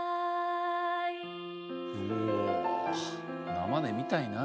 生で見たいな。